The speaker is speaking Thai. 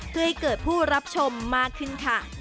เพื่อให้เกิดผู้รับชมมากขึ้นค่ะ